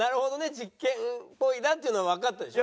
実験っぽいなっていうのはわかったでしょ？